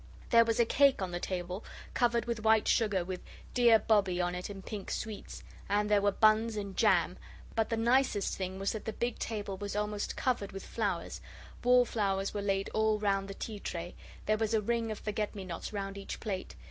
There was a cake on the table covered with white sugar, with 'Dear Bobbie' on it in pink sweets, and there were buns and jam; but the nicest thing was that the big table was almost covered with flowers wallflowers were laid all round the tea tray there was a ring of forget me nots round each plate.